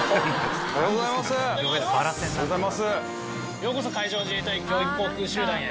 ようこそ海上自衛隊教育航空集団へ。